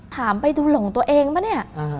ถามไปดูหลงตัวเองป่ะเนี่ย